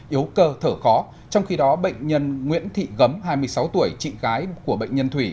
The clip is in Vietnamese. yếu cơ thở khó trong khi đó bệnh nhân nguyễn thị gấm hai mươi sáu tuổi chị gái của bệnh nhân thùy